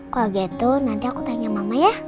kalau gitu nanti aku tanya mama ya